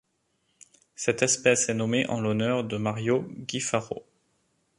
Cette espèce est nommée en l'honneur de Mario Guifarro.